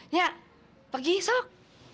nya pergi sok